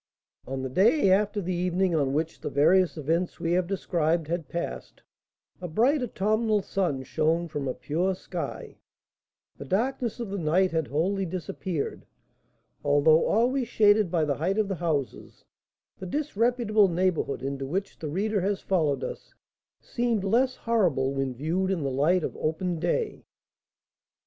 On the day after the evening on which the various events we have described had passed, a bright autumnal sun shone from a pure sky; the darkness of the night had wholly disappeared. Although always shaded by the height of the houses, the disreputable neighbourhood into which the reader has followed us seemed less horrible when viewed in the light of open day.